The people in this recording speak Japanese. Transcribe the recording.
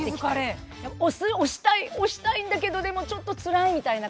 推したいんだけどでもちょっとつらいみたいな方も。